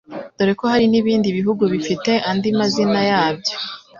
dore ko hari n'ibindi bihugu bifite andi mazina yabyo